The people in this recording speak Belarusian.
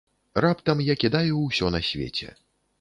Раптам я кідаю ўсё на свеце.